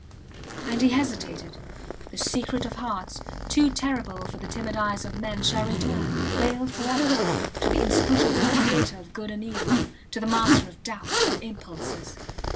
And he hesitated. The secret of hearts, too terrible for the timid eyes of men, shall return, veiled forever, to the Inscrutable Creator of good and evil, to the Master of doubts and impulses.